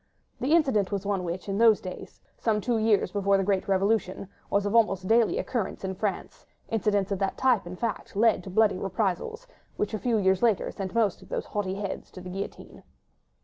The incident was one which, in those days, some two years before the great Revolution, was of almost daily occurrence in France; incidents of that type, in fact, led to the bloody reprisals, which a few years later sent most of those haughty heads to the guillotine.